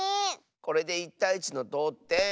これで１たい１のどうてん。